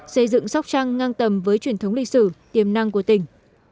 xây dựng sóc trăng ngang tầm với truyền thống lịch sử tiềm năng của tỉnh